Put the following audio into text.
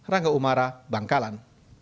rangga umara bangkalan